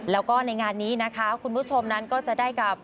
แล้วก็ในงานนี้นะคะคุณผู้ชมนั้นก็จะได้กับ